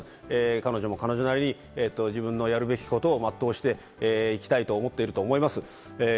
彼女も自分なりに自分のやるべきことを全うしていきたいと思ってると思います。